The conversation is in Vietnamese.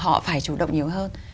họ phải chủ động nhiều hơn